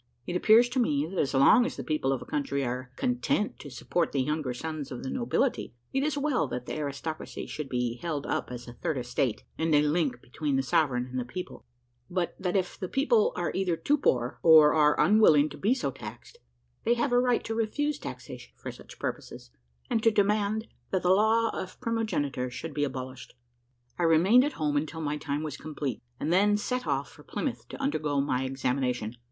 It appears to me, that as long as the people of a country are content to support the younger sons of the nobility, it is well that the aristocracy should be held up as a third estate, and a link between the sovereign and the people; but that if the people are either too poor, or are unwilling to be so taxed, they have a right to refuse taxation for such purposes, and to demand that the law of primogeniture should be abolished. I remained at home until my time was complete, and then set off for Plymouth to undergo my examination.